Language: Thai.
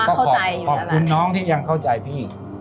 นะผมว่ามะเข้าใจขอบคุณน้องที่ยังเข้าใจพี่